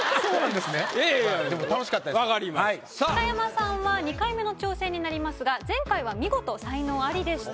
でも北山さんは２回目の挑戦になりますが前回は見事才能アリでした。